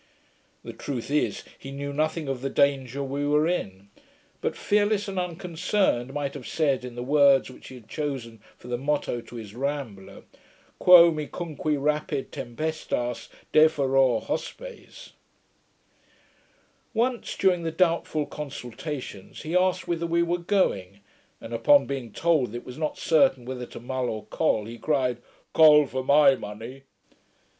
The truth is, he knew nothing of the danger we were in: but, fearless and unconcerned, might have said, in the words which he has chosen for the motto to his Rambler. Quo me cunque rapit tempestas, deferor hospes. [Footnote: For as the tempest drives, I shape my way. FRANCIS.] Once, during the doubtful consultations, he asked whither we were going; and upon being told that it was not certain whether to Mull or Col, he cried, 'Col for my money!'